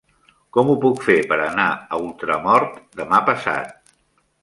Com ho puc fer per anar a Ultramort demà passat?